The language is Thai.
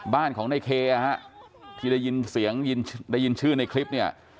บ้านของในเคฮะที่ได้ยินเสียงได้ยินชื่อในคลิปเนี่ย